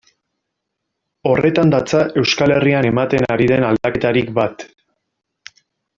Horretan datza Euskal Herrian ematen ari den aldaketarik bat.